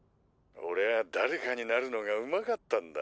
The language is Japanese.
「オレはだれかになるのがうまかったんだ。